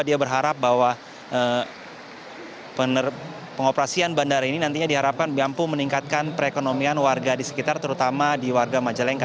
dia berharap bahwa pengoperasian bandara ini nantinya diharapkan mampu meningkatkan perekonomian warga di sekitar terutama di warga majalengka